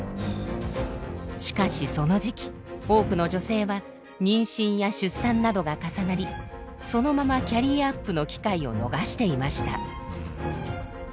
しかしその時期多くの女性は妊娠や出産などが重なりそのままキャリアアップの機会を逃していました。